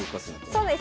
そうです。